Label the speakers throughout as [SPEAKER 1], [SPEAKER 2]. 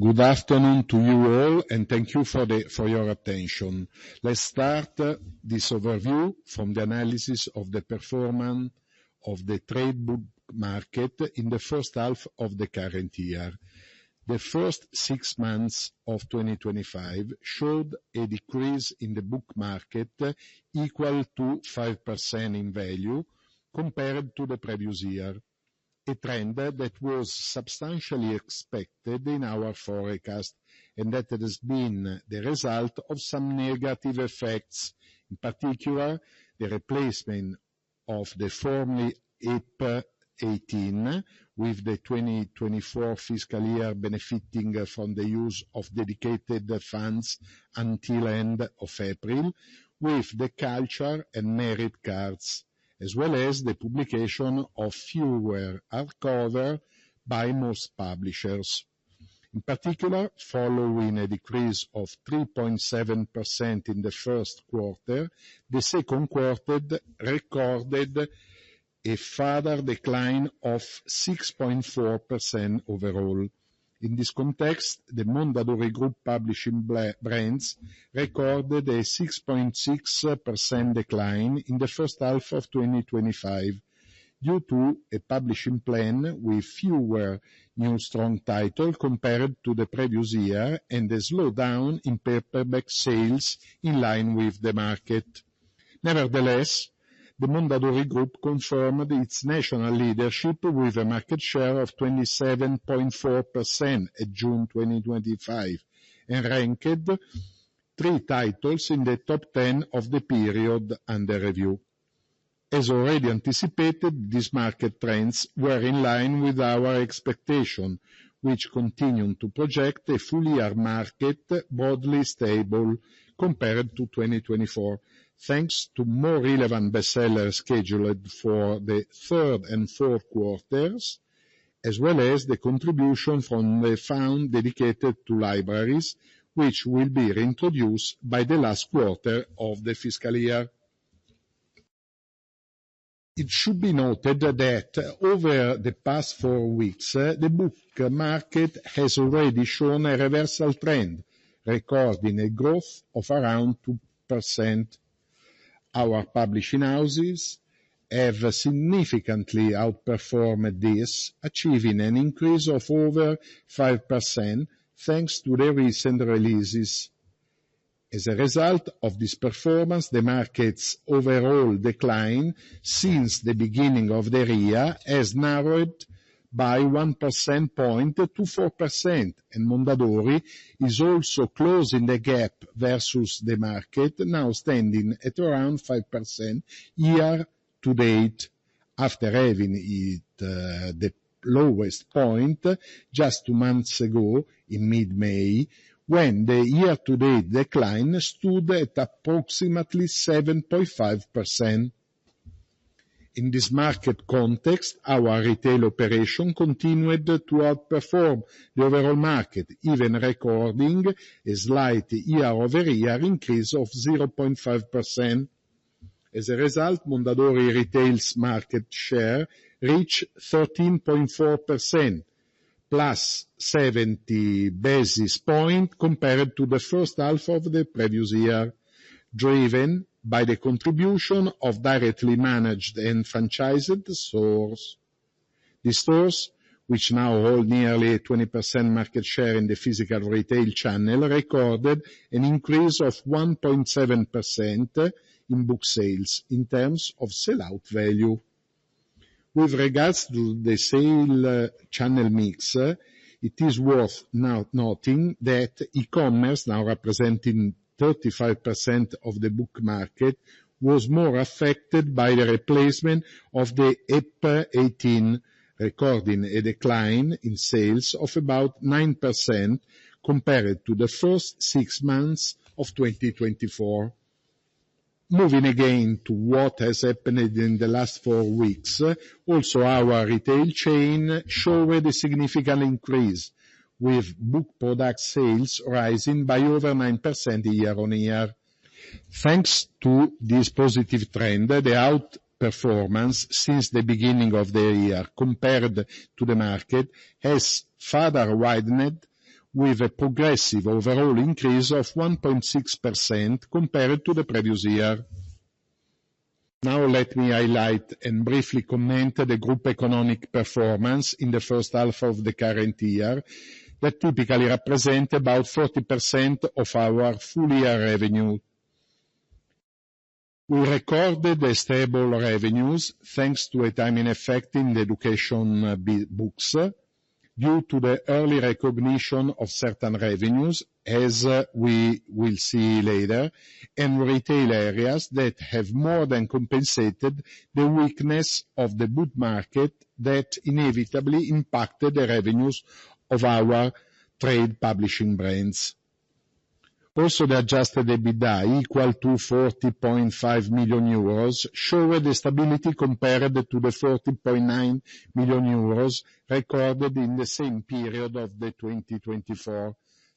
[SPEAKER 1] Good afternoon to you all, and thank you for your attention. Let's start this overview from the analysis of the performance of the trade book market in the first half of the current year. The first six months of 2025 showed a decrease in the book market equal to 5% in value compared to the previous year, a trend that was substantially expected in our forecast and that has been the result of some negative effects. In particular, the replacement of the Form E EPPA 18 with the 2024 fiscal year benefiting from the use of dedicated funds until the end of April, with the culture and merit cards, as well as the publication of fewer hardcovers by most publishers. In particular, following a decrease of 3.7% in the first quarter, the second quarter recorded a further decline of 6.4% overall. In this context, the Mondadori Group Publishing Brands recorded a 6.6% decline in the first half of 2025 due to a publishing plan with fewer new strong titles compared to the previous year and a slowdown in paperback sales in line with the market. Nevertheless, the Mondadori Group confirmed its national leadership with a market share of 27.4% at June 2025 and ranked three titles in the top 10 of the period under review. As already anticipated, these market trends were in line with our expectations, which continue to project a full-year market broadly stable compared to 2024, thanks to more relevant bestsellers scheduled for the third and fourth quarters, as well as the contribution from the fund dedicated to libraries, which will be reintroduced by the last quarter of the fiscal year. It should be noted that over the past four weeks, the book market has already shown a reversal trend, recording a growth of around 2%. Our publishing houses have significantly outperformed this, achieving an increase of over 5% thanks to the recent releases. As a result of this performance, the market's overall decline since the beginning of the year has narrowed by 1% point to 4%, and Mondadori is also closing the gap versus the market, now standing at around 5% year-to-date, after having hit the lowest point just two months ago in mid-May, when the year-to-date decline stood at approximately 7.5%. In this market context, our retail operations continued to outperform the overall market, even recording a slight year-over-year increase of 0.5%. As a result, Mondadori Retail's market share reached 13.4%, plus 70 basis points compared to the first half of the previous year, driven by the contribution of directly managed and franchised stores. These stores, which now hold nearly a 20% market share in the physical retail channel, recorded an increase of 1.7% in book sales in terms of sell-out value. With regards to the sale channel mix, it is worth noting that e-commerce, now representing 35% of the book market, was more affected by the replacement of the EPPA 18 recording a decline in sales of about 9% compared to the first six months of 2024. Moving again to what has happened in the last four weeks, also our retail chain showed a significant increase, with book product sales rising by over 9% year-on-year. Thanks to this positive trend, the outperformance since the beginning of the year compared to the market has further widened, with a progressive overall increase of 1.6% compared to the previous year. Now, let me highlight and briefly comment the group economic performance in the first half of the current year that typically represents about 40% of our full-year revenue. We recorded stable revenues thanks to a timing effect in the education books due to the early recognition of certain revenues, as we will see later, and retail areas that have more than compensated the weakness of the book market that inevitably impacted the revenues of our trade publishing brands. Also, the adjusted EBITDA equal to 40.5 million euros showed a stability compared to the 40.9 million euros recorded in the same period of 2024,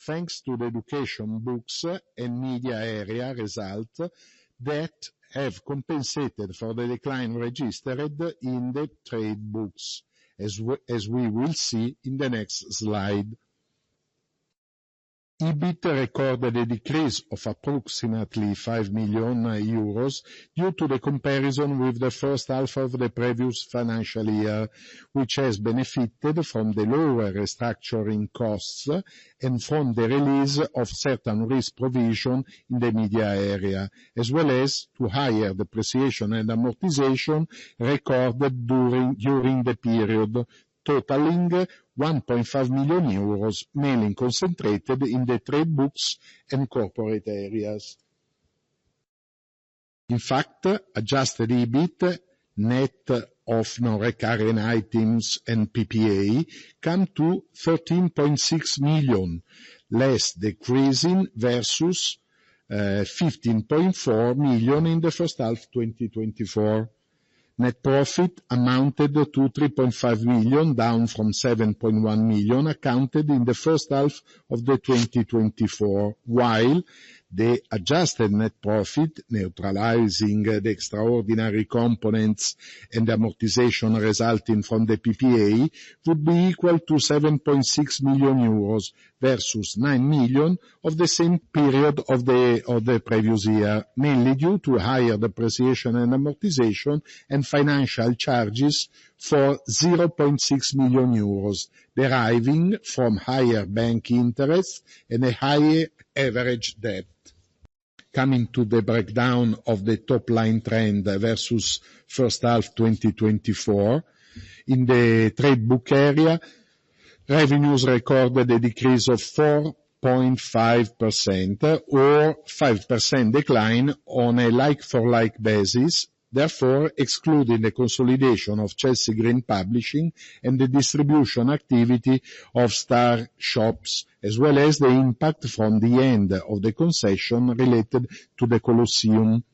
[SPEAKER 1] thanks to the education books and media area results that have compensated for the decline registered in the trade books, as we will see in the next slide. EBITDA recorded a decrease of approximately 5 million euros due to the comparison with the first half of the previous financial year, which has benefited from the lower restructuring costs and from the release of certain risk provisions in the media area, as well as to higher depreciation and amortization recorded during the period, totaling 1.5 million euros, mainly concentrated in the trade books and corporate areas. In fact, adjusted EBIT net of non-recurring items and PPA came to 13.6 million, less decreasing versus 15.4 million in the first half of 2024. Net profit amounted to 3.5 million, down from 7.1 million accounted in the first half of 2024, while the adjusted net profit, neutralizing the extraordinary components and amortization resulting from the PPA, would be equal to 7.6 million euros versus 9 million of the same period of the previous year, mainly due to higher depreciation and amortization and financial charges for 0.6 million euros, deriving from higher bank interest and a higher average debt. Coming to the breakdown of the top-line trend versus the first half of 2024, in the trade book area, revenues recorded a decrease of 4.5% or a 5% decline on a like-for-like basis, therefore excluding the consolidation of Chelsea Green Publishing and the distribution activity of Star Shops, as well as the impact from the end of the concession related to the Colosseum.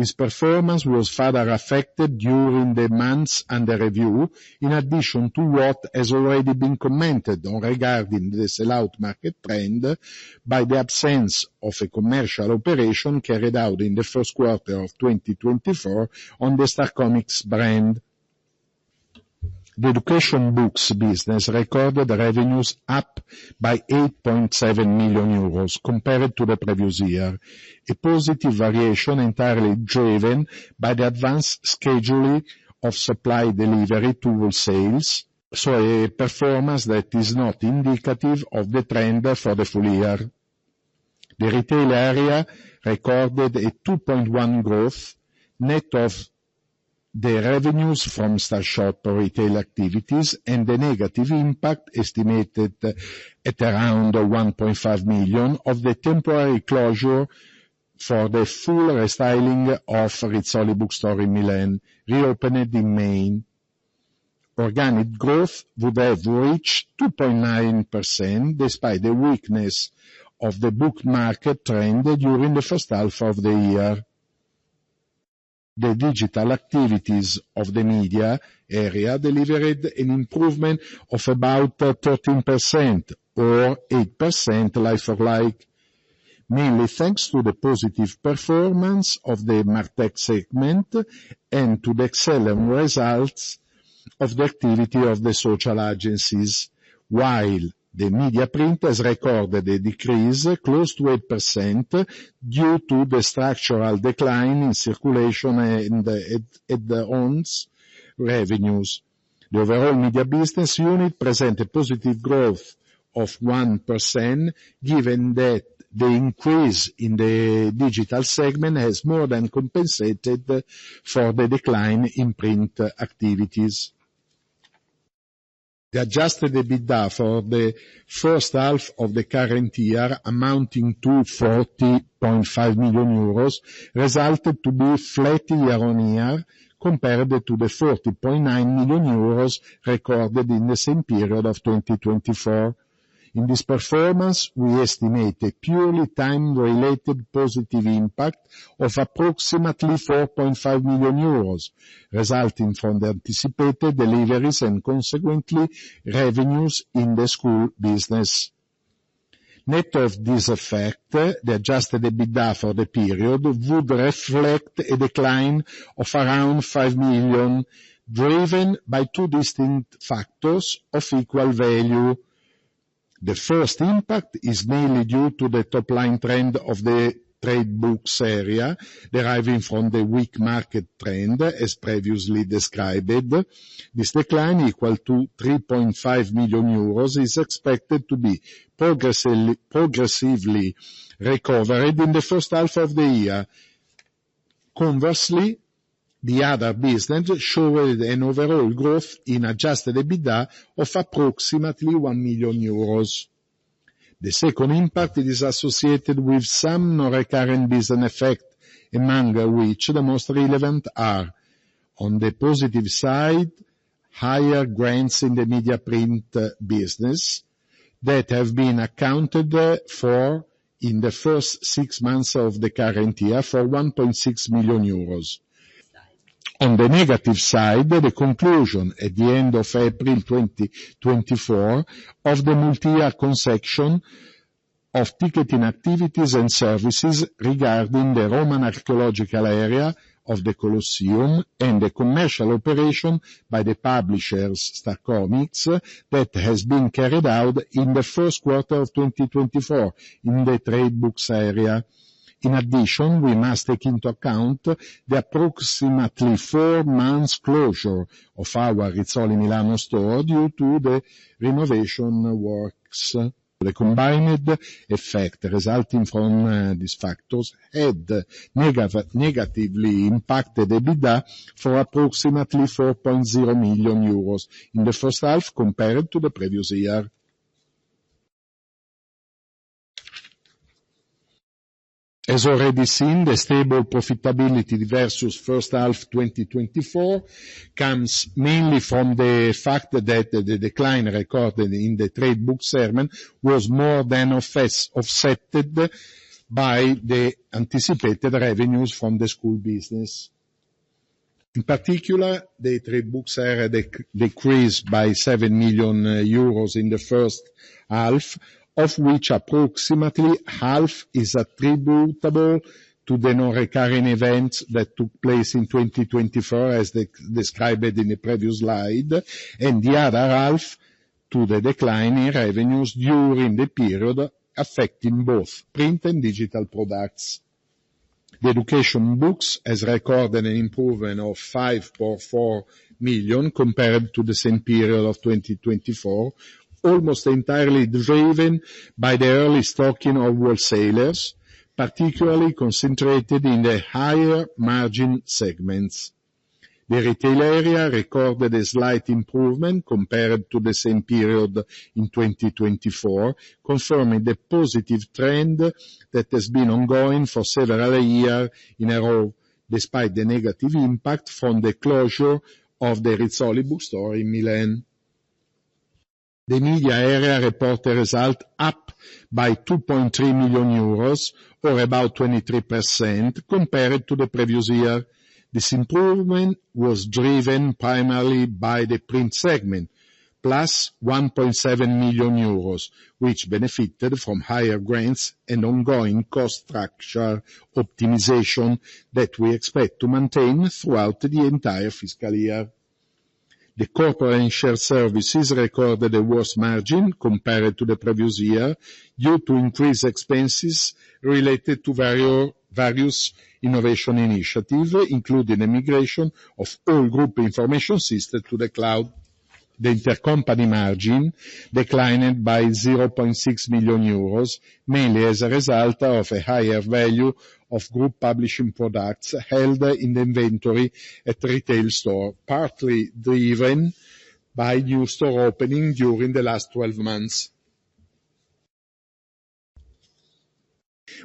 [SPEAKER 1] This performance was further affected during the months under review, in addition to what has already been commented on regarding the sell-out market trend by the absence of a commercial operation carried out in the first quarter of 2024 on the Star Comics brand. The education books business recorded revenues up by 8.7 million euros compared to the previous year, a positive variation entirely driven by the advanced scheduling of supply delivery to all sales, so a performance that is not indicative of the trend for the full year. The retail area recorded a 2.1% growth net of the revenues from Star Shop retail activities and a negative impact estimated at around 1.5 million of the temporary closure for the full restyling of Rizzoli Bookstore in Milan, reopening in May. Organic growth would have reached 2.9% despite the weakness of the book market trend during the first half of the year. The digital activities of the media area delivered an improvement of about 13% or 8% like-for-like, mainly thanks to the positive performance of the MarTech segment and to the excellent results of the activity of the social agencies, while the media print has recorded a decrease close to 8% due to the structural decline in circulation and add-ons revenues. The overall media business unit presented positive growth of 1%, given that the increase in the digital segment has more than compensated for the decline in print activities. The adjusted EBITDA for the first half of the current year, amounting to 40.5 million euros, resulted to be flat year-on-year compared to the 40.9 million euros recorded in the same period of 2024. In this performance, we estimate a purely time-related positive impact of approximately 4.5 million euros, resulting from the anticipated deliveries and, consequently, revenues in the school business. Net of this effect, the adjusted EBITDA for the period would reflect a decline of around 5 million, driven by two distinct factors of equal value. The first impact is mainly due to the top-line trend of the trade books area, deriving from the weak market trend as previously described. This decline, equal to 3.5 million euros, is expected to be progressively recovered in the first half of the year. Conversely, the other business showed an overall growth in adjusted EBITDA of approximately 1 million euros. The second impact is associated with some non-recurring business effects, among which the most relevant are, on the positive side, higher grants in the media print business that have been accounted for in the first six months of the current year for 1.6 million euros. On the negative side, the conclusion at the end of April 2024 of the multi-year consortium of ticketing activities and services regarding the Roman archaeological area of the Colosseum and the commercial operation by the publishers Star Comics that has been carried out in the first quarter of 2024 in the trade books area. In addition, we must take into account the approximately four-month closure of our Rizzoli Milano store due to the renovation works. The combined effect resulting from these factors had negatively impacted EBITDA for approximately 4.0 million euros in the first half compared to the previous year. As already seen, the stable profitability versus the first half of 2024 comes mainly from the fact that the decline recorded in the trade books segment was more than offset by the anticipated revenues from the school business. In particular, the trade books decreased by 7 million euros in the first half, of which approximately half is attributable to the non-recurring events that took place in 2024, as described in the previous slide, and the other half to the decline in revenues during the period affecting both print and digital products. The education books recorded an improvement of 5.4 million compared to the same period of 2024, almost entirely driven by the early stocking of all sales, particularly concentrated in the higher margin segments. The retail area recorded a slight improvement compared to the same period in 2024, confirming the positive trend that has been ongoing for several years in a row, despite the negative impact from the closure of the Rizzoli Bookstore in Milan. The media area reported a result up by 2.3 million euros, or about 23% compared to the previous year. This improvement was driven primarily by the print segment, plus 1.7 million euros, which benefited from higher grants and ongoing cost structure optimization that we expect to maintain throughout the entire fiscal year. The corporate and shared services recorded a worse margin compared to the previous year due to increased expenses related to various innovation initiatives, including the migration of all group information systems to the cloud. The intercompany margin declined by 0.6 million euros, mainly as a result of a higher value of group publishing products held in the inventory at the retail store, partly driven by new store openings during the last 12 months.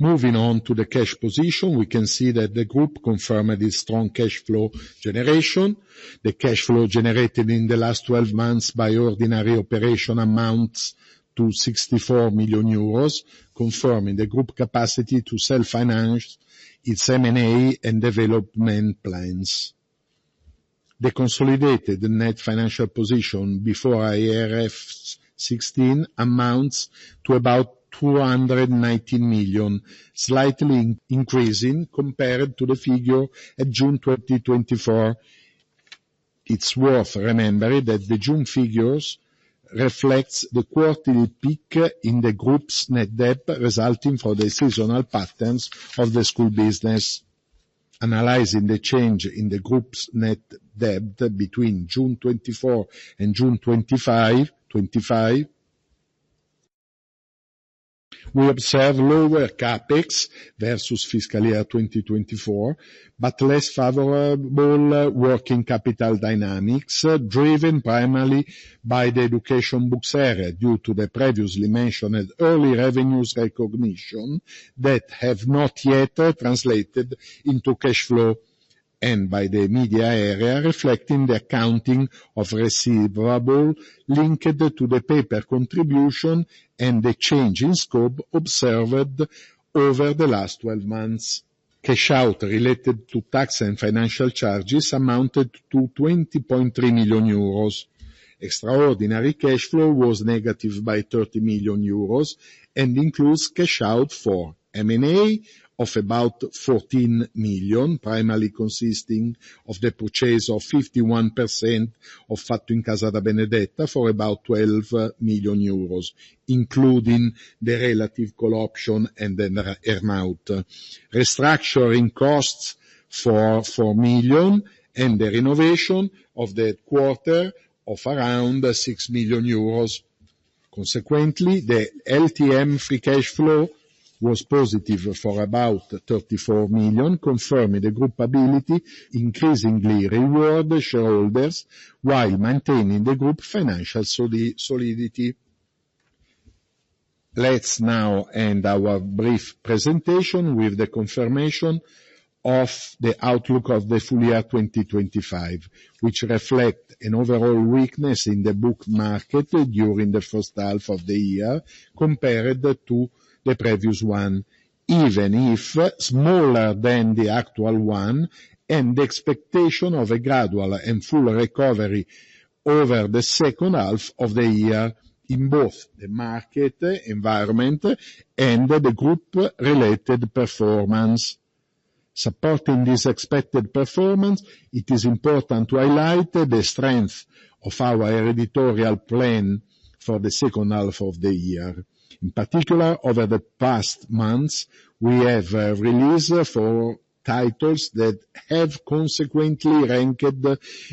[SPEAKER 1] Moving on to the cash position, we can see that the group confirmed a strong cash flow generation. The cash flow generated in the last 12 months by ordinary operations amounts to 64 million euros, confirming the group's capacity to self-finance its M&A and development plans. The consolidated net financial position before IFRS 16 amounts to about 219 million, slightly increasing compared to the figure at June 2024. It's worth remembering that the June figures reflect the quarterly peak in the group's net debt, resulting from the seasonal patterns of the school business. Analyzing the change in the group's net debt between June 2024 and June 2025, we observe lower CapEx versus fiscal year 2024, but less favorable working capital dynamics driven primarily by the education books area due to the previously mentioned early revenue recognition that have not yet translated into cash flow, and by the media area reflecting the accounting of receivables linked to the paper contribution and the change in scope observed over the last 12 months. Cash out related to tax and financial charges amounted to 20.3 million euros. Extraordinary cash flow was negative by 30 million euros and includes cash out for M&A of about 14 million, primarily consisting of the purchase of 51% of Fatto in casa da Benedetta for about 12 million euros, including the relative call option and then the earnout. Restructuring costs for 4 million and the renovation of the quarter of around 6 million euros. Consequently, the LTM free cash flow was positive for about 34 million, confirming the group ability to increasingly reward shareholders while maintaining the group's financial solidity. Let's now end our brief presentation with the confirmation of the outlook of the full year 2025, which reflects an overall weakness in the book market during the first half of the year compared to the previous one, even if smaller than the actual one, and the expectation of a gradual and full recovery over the second half of the year in both the market environment and the group-related performance. Supporting this expected performance, it is important to highlight the strength of our editorial plan for the second half of the year. In particular, over the past months, we have released four titles that have consequently ranked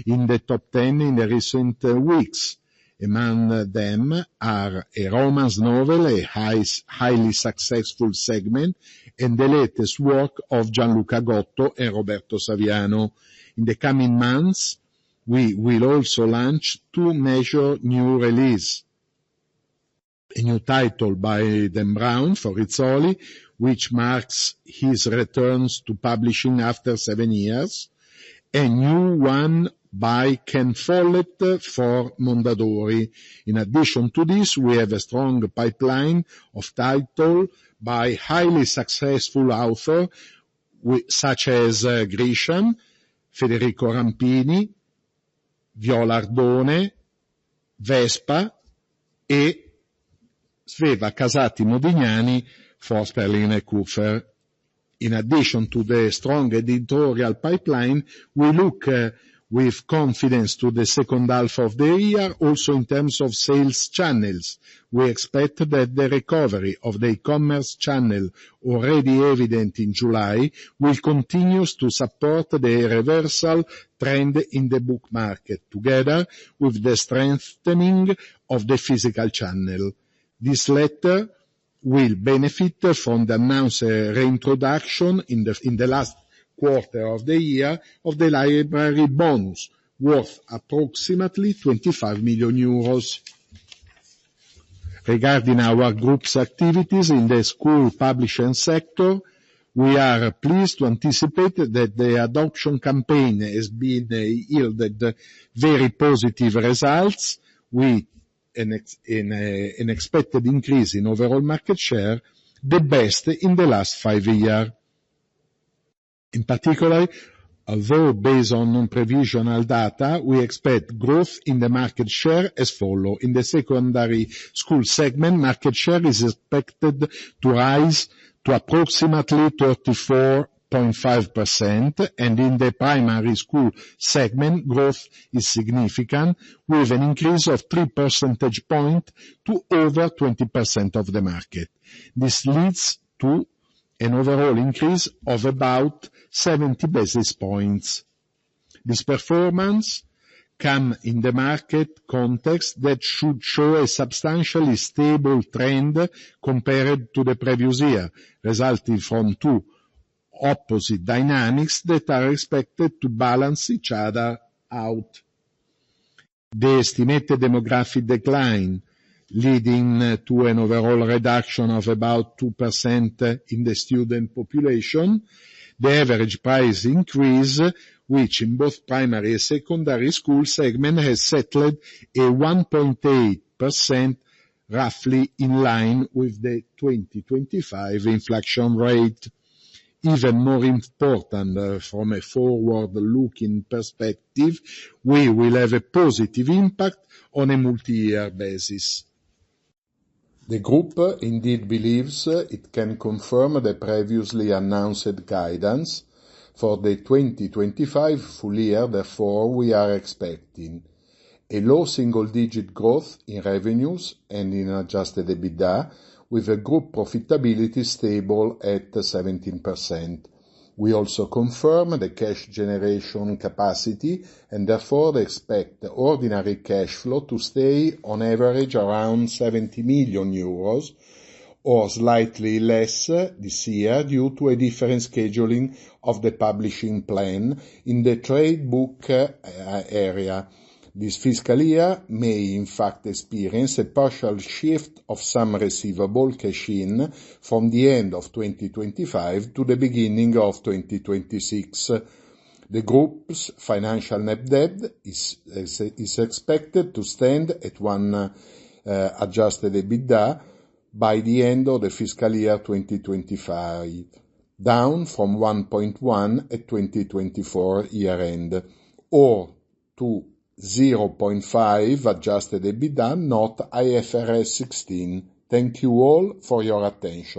[SPEAKER 1] in the top 10 in recent weeks. Among them are a romance novel, a highly successful segment, and the latest work of Gianluca Gotto and Roberto Saviano. In the coming months, we will also launch two major new releases: a new title by Dan Brown for Rizzoli, which marks his return to publishing after seven years, and a new one by Ken Follett for Mondadori. In addition to this, we have a strong pipeline of titles by highly successful authors such as Grisham, Federico Rampini, Viola Arbone, Vespa, and Sveva Casati Modignani for Sterlin & Kufer. In addition to the strong editorial pipeline, we look with confidence to the second half of the year, also in terms of sales channels. We expect that the recovery of the e-commerce channel, already evident in July, will continue to support the reversal trend in the book market, together with the strengthening of the physical channel. This latter will benefit from the announced reintroduction in the last quarter of the year of the library bonus, worth approximately 25 million euros. Regarding our group's activities in the school publishing sector, we are pleased to anticipate that the adoption campaign has yielded very positive results, with an expected increase in overall market share, the best in the last five years. In particular, although based on non-previsional data, we expect growth in the market share as follows: in the secondary school segment, market share is expected to rise to approximately 34.5%, and in the primary school segment, growth is significant, with an increase of 3 percentage points to over 20% of the market. This leads to an overall increase of about 70 basis points. This performance comes in the market context that should show a substantially stable trend compared to the previous year, resulting from two opposite dynamics that are expected to balance each other out. The estimated demographic decline is leading to an overall reduction of about 2% in the student population. The average price increase, which in both primary and secondary school segments has settled at 1.8%, is roughly in line with the 2025 inflection rate. Even more important, from a forward-looking perspective, we will have a positive impact on a multi-year basis. The group indeed believes it can confirm the previously announced guidance for the 2025 full year. Therefore, we are expecting a low single-digit growth in revenues and in adjusted EBITDA, with a group profitability stable at 17%. We also confirm the cash generation capacity, and therefore expect the ordinary cash flow to stay on average around 70 million euros or slightly less this year due to a different scheduling of the publishing plan in the trade book area. This fiscal year may, in fact, experience a partial shift of some receivable cash in from the end of 2025 to the beginning of 2026. The group's financial net debt is expected to stand at 1 million adjusted EBITDA by the end of the fiscal year 2025, down from 1.1 million at 2024 year-end, or to 0.5 million adjusted EBITDA, not IFRS 16. Thank you all for your attention.